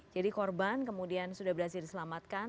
jadi korban kemudian sudah berhasil diselamatkan